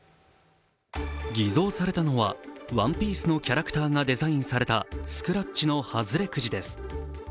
偽造されたのは「ＯＮＥＰＩＥＣＥ」のキャラクターがデザインされたスクラッチの外れくじです。